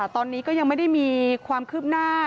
ตอนนี้ก็ยังไม่ได้มีความคืบหน้า